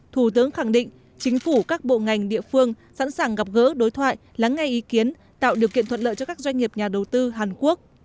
thủ tướng khẳng định chính phủ các bộ ngành địa phương sẵn sàng gặp gỡ đối thoại lắng nghe ý kiến tạo điều kiện thuận lợi cho các doanh nghiệp nhà đầu tư hàn quốc